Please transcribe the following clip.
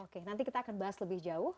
oke nanti kita akan bahas lebih jauh